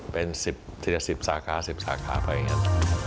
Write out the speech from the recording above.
เป็น๑๐สาขาไปอย่างนั้น